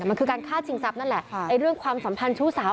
มันคือการฆ่าชิงทรัพย์นั่นแหละเรื่องความสัมพันธ์ชู้สาว